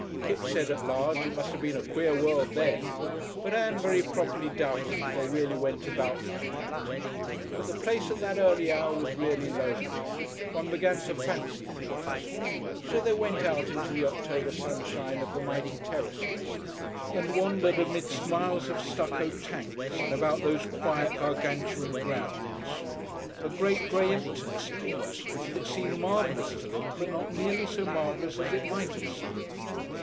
Kipps said at large, it must have been a queer world then, but Ann very properly doubted if they really went about like that. But the place at that early hour was really lonely. One began to fancy things. So they went out into the October sunshine of the mighty terraces, and wandered amidst miles of stucco tanks and about those quiet Gargantuan grounds. A great, grey emptiness it was, and it seemed marvellous to them, but not nearly so marvellous as it might have seemed.